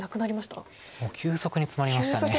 もう急速にツマりました。